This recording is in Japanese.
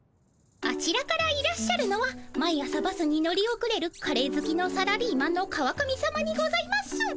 あちらからいらっしゃるのは毎朝バスに乗りおくれるカレーずきのサラリーマンの川上さまにございます。